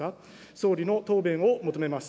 総理の答弁を求めます。